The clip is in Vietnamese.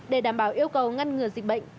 để đảm bảo yêu cầu ngăn ngừa dịch bệnh